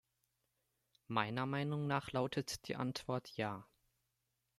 Meiner Meinung nach lautet die Antwort Ja.